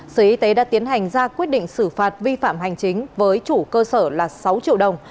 sở y tế đã tiến hành ra quyết định xử phạt vi phạm hành chính với chủ cơ sở là sáu triệu đồng